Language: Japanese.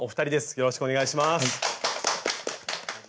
よろしくお願いします。